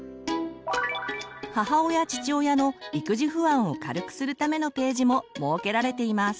母親父親の育児不安を軽くするためのページも設けられています。